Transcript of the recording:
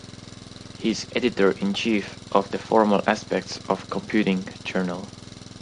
He is Editor-in-Chief of the "Formal Aspects of Computing" journal.